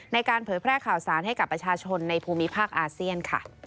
เผยแพร่ข่าวสารให้กับประชาชนในภูมิภาคอาเซียนค่ะ